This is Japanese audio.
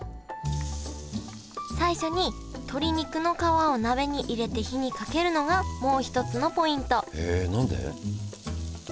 最初に鶏肉の皮を鍋に入れて火にかけるのがもう一つのポイントへえ何で？